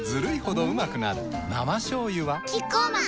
生しょうゆはキッコーマン